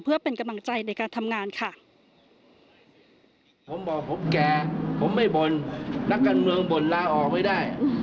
เพื่อเป็นกำลังใจในการทำงานค่ะ